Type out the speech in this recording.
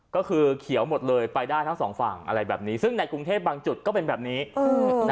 ก็คือเขียวหมดเลยไปได้ทั้งสองฝั่งอะไรแบบนี้ซึ่งในกรุงเทพบางจุดก็เป็นแบบนี้อืม